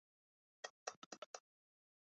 滋贺县立大学